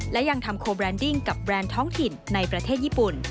และยังทำโคแรนดิ้งกับแบรนด์ท้องถิ่นในประเทศญี่ปุ่น